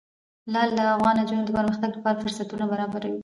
لعل د افغان نجونو د پرمختګ لپاره فرصتونه برابروي.